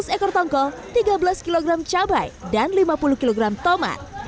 dua ratus ekor tongkol tiga belas kg cabai dan lima puluh kg tomat